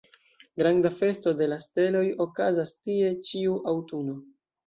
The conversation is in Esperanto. Granda festo de la steloj okazas tie ĉiu aŭtuno.